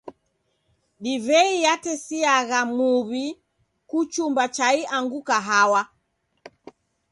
Divei yatesiagha muw'I kuchumba chai angu kahawa.